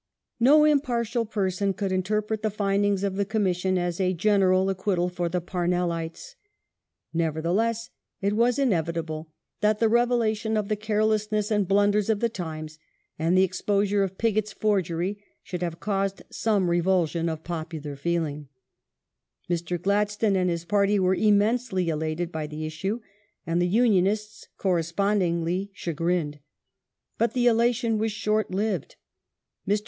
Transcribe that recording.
No impartial person could interpret the findings of the Com mission as a general acquittal for the Parnellites. Nevertheless, it was inevitable that the revelation of the carelessness and blunders of The Times and the exposure of Pigott's forgery should have caused some revulsion of popular feeling; Mr. Gladstone and his party were immensely elated by the issue, and the Unionists correspondingly chagrined. But the elation was short lived. Mr.